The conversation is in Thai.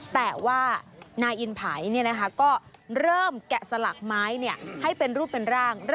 แต่ว่านายอินไผ่ก็เริ่มแกะสลักไม้ให้เป็นรูปเป็นร่าง